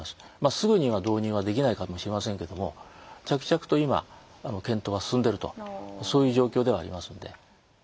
すぐには導入はできないかもしれませんけども着々と今検討は進んでるとそういう状況ではありますんで。